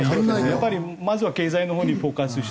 やっぱりまずは経済のほうにフォーカスする。